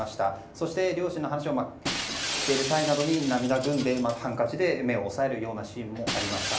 そして両親の話をしている際などに涙ぐんでハンカチで目を押さえるようなシーンもありました。